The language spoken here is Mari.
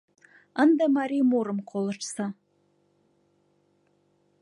Ынде марий мурым колыштса.